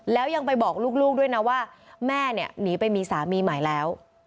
แล้วยังไปบอกลูกด้วยนะว่าแม่เนี่ยหนีไปมีสามีใหม่แล้ว